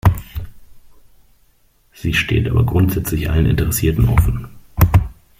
Sie steht aber grundsätzlich allen Interessierten offen.